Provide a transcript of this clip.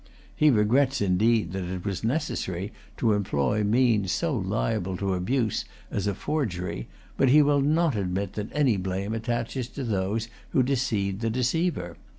He regrets, indeed, that it was necessary to employ means so liable to abuse as forgery; but he will not admit that any blame attaches to those who deceived the deceiver.